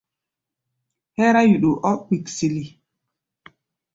Hɛ́rá yuɗu ɔ́ kpiksili.